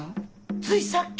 ついさっき。